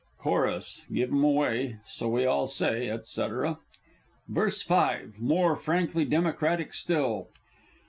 Chorus Give 'em away! So we all say, &c. VERSE V. (_More frankly Democratic still.